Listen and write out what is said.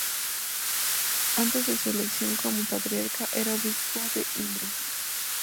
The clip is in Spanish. Antes de su elección como Patriarca, era obispo de Imbros.